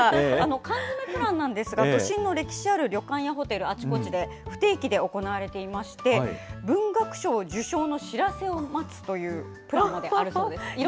缶詰プランなんですが、都心の歴史ある旅館やホテル、あちこちで不定期で行われていまして、文学賞受賞の知らせを待つというプランまであるそうです。